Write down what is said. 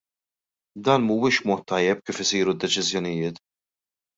Dak mhuwiex mod tajjeb kif isiru d-deċiżjonijiet.